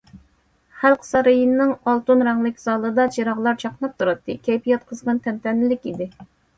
خەلق سارىيىنىڭ ئالتۇن رەڭلىك زالىدا چىراغلار چاقناپ تۇراتتى، كەيپىيات قىزغىن، تەنتەنىلىك ئىدى.